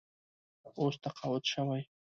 اوس تقاعد شوی.